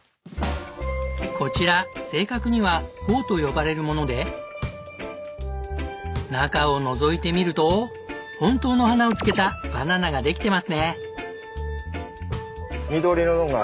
こちら正確には苞と呼ばれるもので中をのぞいてみると本当の花をつけたバナナができてますね。